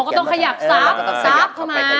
ก็ต้องขยับซับเข้ามา